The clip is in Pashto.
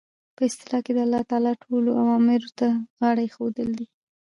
په اصطلاح کښي د الله تعالی ټولو امورو ته غاړه ایښودل دي.